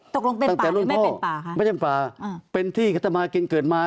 ตกลงเป็นป่าหรือไม่เป็นป่าคะไม่ใช่เป็นป่าอืมเป็นที่เขาทำมากินเกิดมา